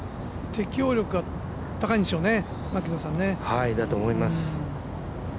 適応力が高いんでしょうね。